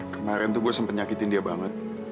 kemarin tuh gue sempat nyakitin dia banget